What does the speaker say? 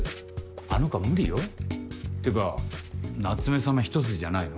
あの子は無理よ。ってか夏目さま一筋じゃないの？